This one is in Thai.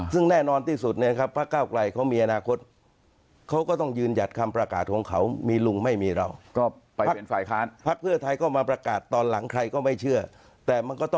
ซึ่งแน่นอนที่สุดเนี่ยครับพักเก้าไกลเขามีอนาคตเขาก็ต้องยืนหยัดคำประกาศของเขามีลุงไม่มีเรา